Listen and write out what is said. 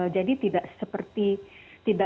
jadi tidak seperti